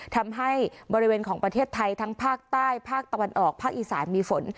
ทำให้บริเวณของประเทศไทยทั้งภาคใต้ภาคตะวันออกภาคอีสานมีฝน